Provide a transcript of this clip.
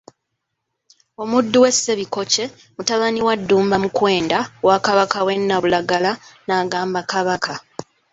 Omuddu we Ssebikokye, mutabani wa Ddumba Mukwenda wa Kabaka w'e Nnabulagala, n'agamba Kabaka.